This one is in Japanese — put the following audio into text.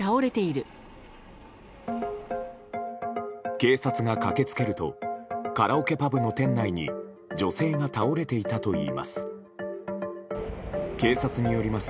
警察が駆け付けるとカラオケパブの店内に女性が倒れていたといいます。